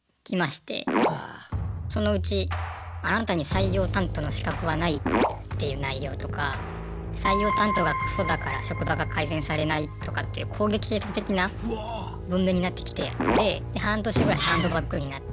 そのうち「あなたに採用担当の資格はない」っていう内容とか「採用担当がクソだから職場が改善されない」とかっていう攻撃的な文面になってきてで半年ぐらいサンドバッグになって。